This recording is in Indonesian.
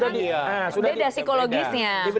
sudah diberikan beda psikologisnya